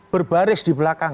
berbaris di belakang